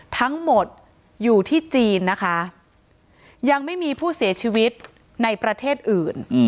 ทั้งหมดอยู่ที่จีนนะคะยังไม่มีผู้เสียชีวิตในประเทศอื่น